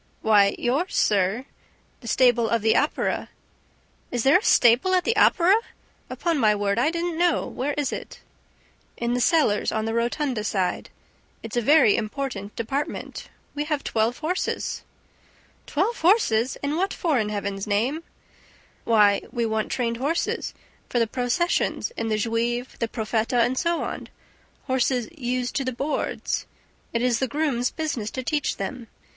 "Why, yours, sir, the stable of the Opera." "Is there a stable at the Opera? Upon my word, I didn't know. Where is it?" "In the cellars, on the Rotunda side. It's a very important department; we have twelve horses." "Twelve horses! And what for, in Heaven's name?" "Why, we want trained horses for the processions in the Juive, The Profeta and so on; horses 'used to the boards.' It is the grooms' business to teach them. M.